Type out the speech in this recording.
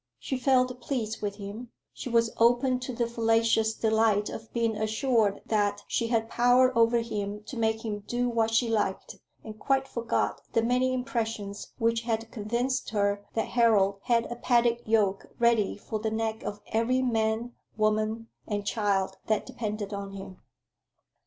She felt pleased with him; she was open to the fallacious delight of being assured that she had power over him to make him do what she liked, and quite forgot the many impressions which had convinced her that Harold had a padded yoke ready for the neck of every man, woman, and child that depended on him.